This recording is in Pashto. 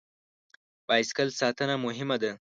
بایسکل ساتنه مهمه ده.